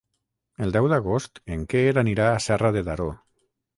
El deu d'agost en Quer anirà a Serra de Daró.